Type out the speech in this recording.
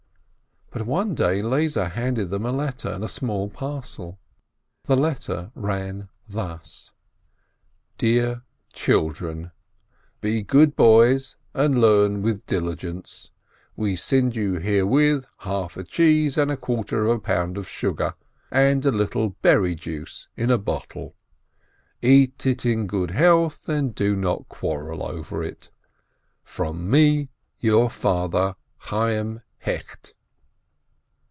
But one day Lezer handed them a letter and a small parcel. The letter ran thus: "Dear Children, Be good, boys, and learn with diligence. We send you herewith half a cheese and a quarter of a pound of sugar, and a little berry juice in a bottle. Eat it in health, and do not quarrel over it. From me, your father, CHAYYIM HECHT."